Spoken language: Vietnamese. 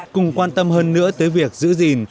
cùng quan tâm hơn nữa tới việc giữ gìn